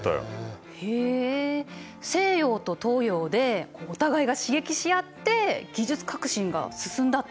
西洋と東洋でお互いが刺激し合って技術革新が進んだってことなんですね。